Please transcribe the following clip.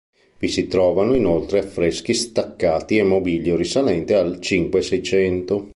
Vi si trovano inoltre affreschi staccati e mobilio risalente al Cinque e Seicento.